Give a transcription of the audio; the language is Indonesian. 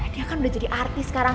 dia kan udah jadi artis sekarang